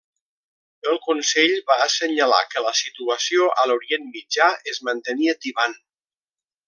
El Consell va assenyalar que la situació a l'Orient Mitjà es mantenia tibant.